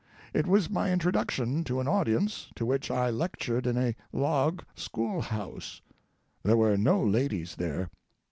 It was my introduction to an audience to which I lectured in a log school house. There were no ladies there.